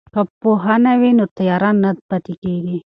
که پوهنه وي نو تیاره نه پاتیږي.